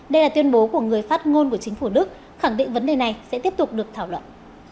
đây là tuyên bố của người phát ngôn của chính phủ đức khẳng định vấn đề này sẽ tiếp tục được thảo luận